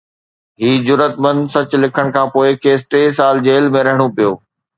هي جرئتمند سچ لکڻ کان پوءِ کيس ٽي سال جيل ۾ رهڻو پيو